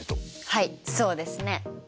はいそうですね。